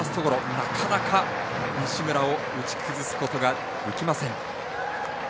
なかなか西村を打ち崩すことができません。